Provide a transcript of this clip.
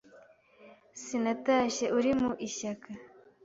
Sinatashye uri mu ishyaka